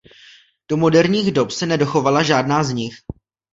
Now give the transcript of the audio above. Do moderních dob se nedochovala žádná z nich.